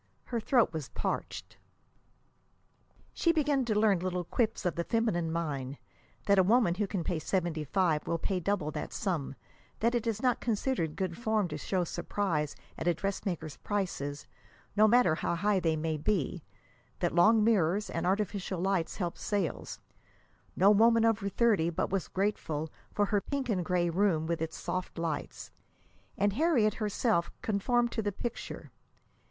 Her throat was parched. She began to learn little quips of the feminine mind: that a woman who can pay seventy five will pay double that sum; that it is not considered good form to show surprise at a dressmaker's prices, no matter how high they may be; that long mirrors and artificial light help sales no woman over thirty but was grateful for her pink and gray room with its soft lights. And Harriet herself conformed to the picture.